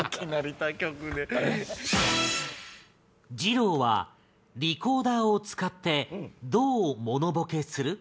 二朗はリコーダーを使ってどうモノボケする？